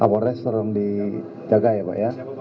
apolres tolong dijaga ya pak ya